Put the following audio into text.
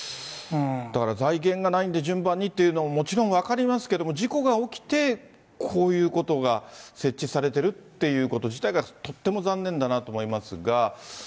だから財源がないんで順番にっていうのももちろん分かりますけど、事故が起きて、こういうことが設置されてるっていうこと自体が、とっても残念だなと思いますが。